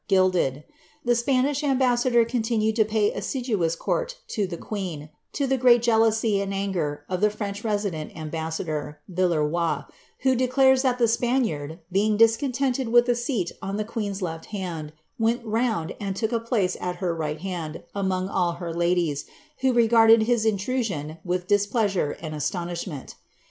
gilded. The Spanish ambassador continued to pay assiduous court to the queen, to the great jealousy and anger of the French resident am* bueador, ViUeroi, who declares that the Spaniard, being discontented with a seat on the queen's left hand, went round and took a place at her right hand, among all her ladies, who regarded his intrusion with displeasure and astonishment.